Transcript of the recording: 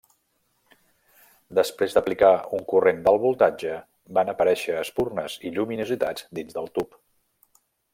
Després aplicar un corrent d'alt voltatge van aparèixer espurnes i lluminositats dins del tub.